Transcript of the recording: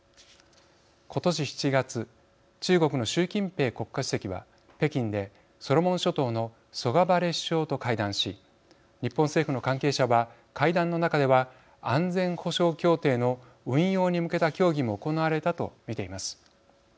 今年７月中国の習近平国家主席は、北京でソロモン諸島のソガバレ首相と会談し日本政府の関係者は会談の中では安全保障協定の運用に向けた協議も行われたと見ています。